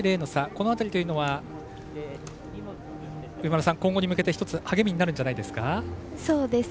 この辺りというのは上村さん今後に向けて励みになるんじゃないですか。